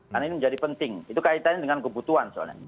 karena ini menjadi penting itu kaitannya dengan kebutuhan soalnya